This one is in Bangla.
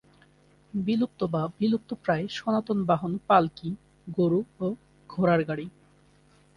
বিলুপ্ত বা বিলুপ্তপ্রায় সনাতন বাহন পাল্কি, গরু ও ঘোড়ার গাড়ি।